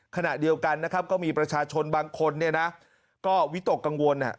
ขณะเดียวกันนะครับก็มีประชาชนบางคนเนี่ยนะก็วิตกกังวล